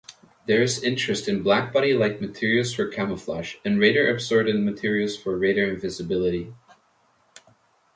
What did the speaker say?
There is interest in blackbody-like materials for camouflage and radar-absorbent materials for radar invisibility.